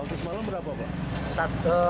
waktu semalam berapa